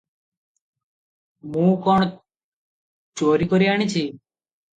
ମୁଁ କଣ ଚୋରିକରି ଆଣିଛି?